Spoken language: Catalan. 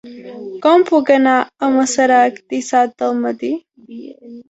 Com puc anar a Masarac dissabte al matí?